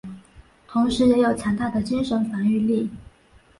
同时也有强大的精神防御力。